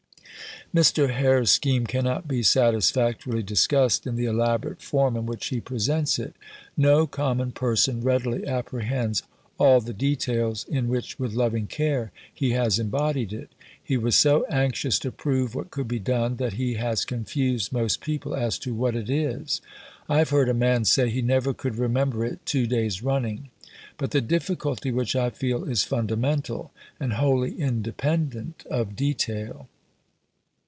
Mr. Hare's scheme cannot be satisfactorily discussed in the elaborate form in which he presents it. No common person readily apprehends all the details in which, with loving care, he has embodied it. He was so anxious to prove what could be done, that he has confused most people as to what it is. I have heard a man say, "He never could remember it two days running". But the difficulty which I feel is fundamental, and wholly independent of detail.